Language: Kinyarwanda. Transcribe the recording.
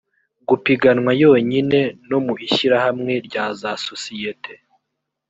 gupiganwa yonyine no mu ishyirahamwe rya za sosiyete